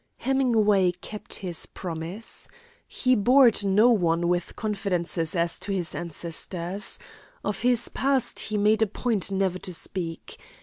Hemingway kept his promise. He bored no one with confidences as to his ancestors. Of his past he made a point never to speak.